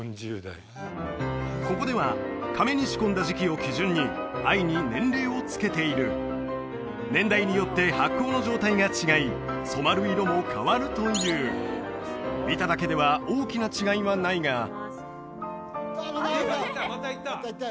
ここではかめに仕込んだ時期を基準に藍に年齢をつけている年代によって発酵の状態が違い染まる色も変わるという見ただけでは大きな違いはないがいただきます